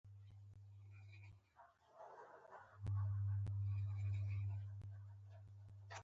میرزاسلیمان شکوه خپل استازی واستاوه.